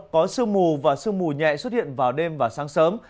có sương mù và sương mù nhẹ xuất hiện vào đêm và sáng sớm